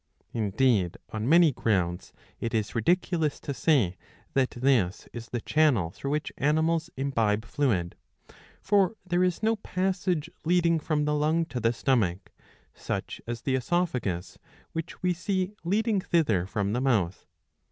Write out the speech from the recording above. Indeed on many grounds it is ridiculous to say that this is the channel through which animals imbibe fluid. For there is no passage leading from the lung to the stomach, such as the oesophagus which we see leading thither from the mouth.